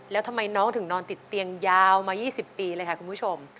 แล้วทำไมน้องถึงนอนติดเตียงยาวมา๒๐ปีเลยค่ะคุณผู้ชม